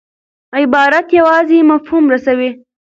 عبارت یوازي مفهوم رسوي.